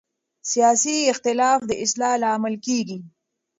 سیاسي اختلاف د اصلاح لامل کېږي